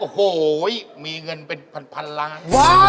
โหมีเงินเป็นพันพันล้าน